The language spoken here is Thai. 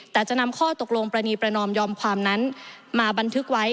แต่จะนำข้อตกลงปรณีประนอมยอมความนั้นมาบันทึกไว้